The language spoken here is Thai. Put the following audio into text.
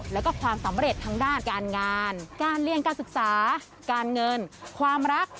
แล้วก็ความสำเร็จทางด้านการงานการเรียนการศึกษาการเงินความรัก